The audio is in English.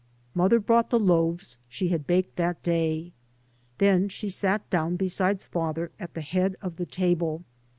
Mother brought the loaves she had baked that day. Then she sat down beside father at the head of the table.